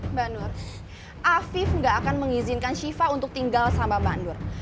mbak nur afif nggak akan mengizinkan shiva untuk tinggal sama mbak nur